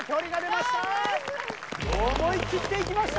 思い切っていきました！